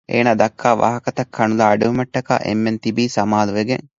އޭނާ ދައްކާ ވާހަކަތައް ކަނުލާ އަޑުއެހުމައްޓަކާ އެންމެން ތިބީ ސަމާލުވެގެން